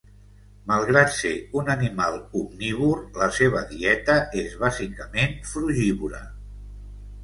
Malgrat ser un animal omnívor, la seva dieta és bàsicament frugívora.